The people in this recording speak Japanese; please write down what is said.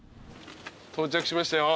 到着しましたよ。